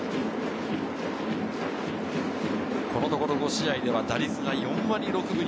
このところ５試合では打率４割６分２厘。